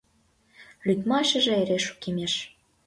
Лӱдмашыже эре шукемеш.